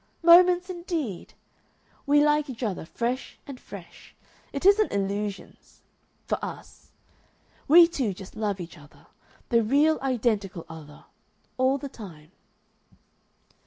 Moments, indeed! We like each other fresh and fresh. It isn't illusions for us. We two just love each other the real, identical other all the time."